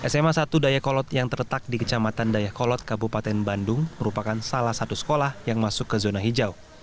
sma satu dayakolot yang terletak di kecamatan dayakolot kabupaten bandung merupakan salah satu sekolah yang masuk ke zona hijau